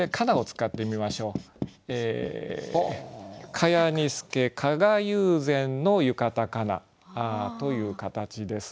「蚊帳に透け加賀友禅の浴衣かな」という形です。